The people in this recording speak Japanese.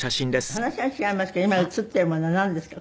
話は違いますけど今映っているものはなんですか？